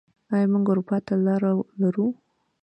آیا موږ اروپا ته لاره لرو؟